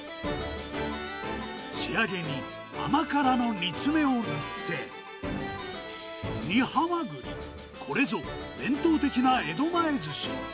仕上げに甘辛の煮詰めを塗って、煮ハマグリ、伝統的な江戸前ずし。